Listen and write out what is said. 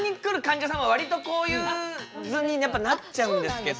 んじゃさんは割とこういう図にやっぱなっちゃうんですけど。